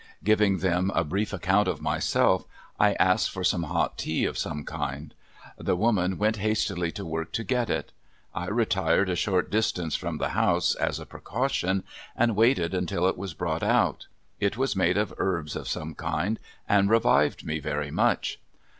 Giving them a brief account of myself, I asked for some hot tea of some kind. The woman went hastily to work to get it. I retired a short distance from the house, as a precaution, and waited until it was brought out. It was made of herbs of some kind, and revived me very much.